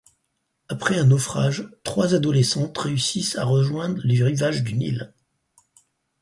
Après un naufrage, trois adolescentes réussissent à rejoindre les rivages d'une île.